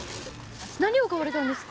何を買われたんですか？